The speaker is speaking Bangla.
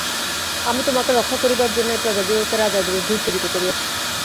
আমি তোমাকে রক্ষা করিবার জন্যই প্রজাদিগকে রাজার বিরুদ্ধে উত্তেজিত করিয়াছি।